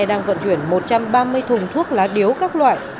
đang vận chuyển một trăm ba mươi thùng thuốc lá điếu các loại